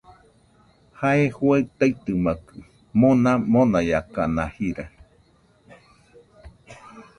Jae juaɨ taitɨmakɨ, mona monaiakana jira